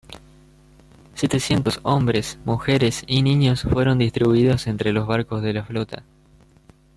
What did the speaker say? Setecientos hombres, mujeres y niños fueron distribuidos entre los barcos de la flota.